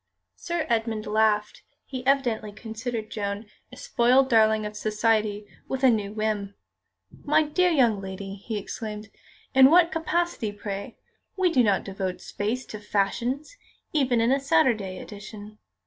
Sir Edmund laughed. He evidently considered Joan a spoiled darling of Society with a new whim. "My dear young lady!" he exclaimed, "in what capacity, pray? We do not devote space to fashions, even in a Saturday edition.